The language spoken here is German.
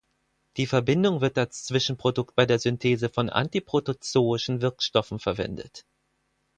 Die Verbindung wird als Zwischenprodukt bei der Synthese von antiprotozoischen Wirkstoffen verwendet.